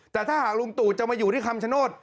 แต่ถ้าหากลุงตู่จะมาอยู่ที่คำชโนธ